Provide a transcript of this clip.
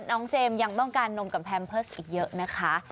เจมส์ยังต้องการนมกับแพมเพิร์สอีกเยอะนะคะ